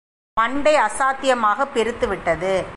மண்டை அசாத்தியமாகப் பெருத்துவிட்டது.